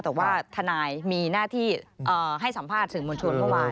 แต่ว่าทนายมีหน้าที่ให้สัมภาษณ์สื่อมวลชนเมื่อวาน